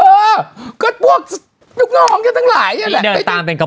เอ่อก็พวกบุ๊กน้องเนี่ยทั้งหลายแหละ